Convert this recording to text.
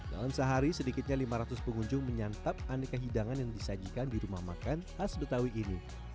dalam sehari sedikitnya lima ratus pengunjung menyantap aneka hidangan yang disajikan di rumah makan khas betawi ini